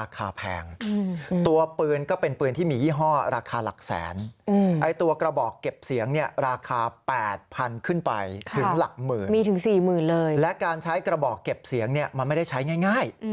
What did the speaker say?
ใช้ยากมากเพราะว่าเวลาใส่ท่อเก็บเสียง